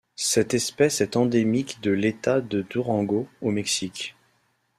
Cette espèce est endémique de l'État de Durango au Mexique.